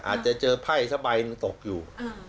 อาจจะเจอไพ่สบายตกอยู่